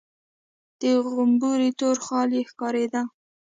د غومبري تور خال يې ښکارېده.